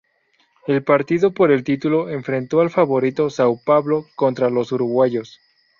El partido por el título, enfrentó al favorito, São Paulo, contra los uruguayos.